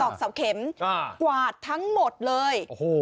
อกเสาเข็มกวาดทั้งหมดเลยโอ้โห